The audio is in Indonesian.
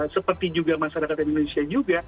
seperti juga masyarakat indonesia juga